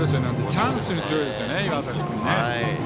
チャンスに強いですね、岩崎君。